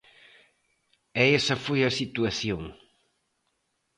E esa foi a situación.